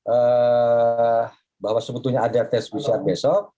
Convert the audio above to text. eee bahwa sebetulnya ada tes pcr besok